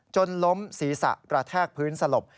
จนล้มศีรษะกระแทกพื้นสลบ